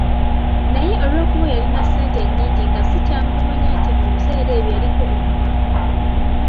Naye olwokuba yalina ssente nnyingi nga si kyangu kumanya nti mu biseera ebyo yaliko omwavu.